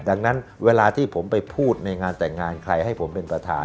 ดังนั้นเวลาที่ผมไปพูดในงานแต่งงานใครให้ผมเป็นประธาน